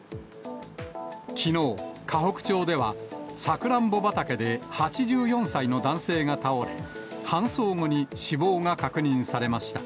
きのう、河北町ではサクランボ畑で８４歳の男性が倒れ、搬送後に死亡が確認されました。